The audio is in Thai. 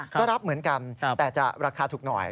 ก็รับเหมือนกันแต่จะราคาถูกหน่อย